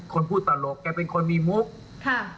อะไรก็พี่ศรีอะไรก็พี่ศรีนะฮะ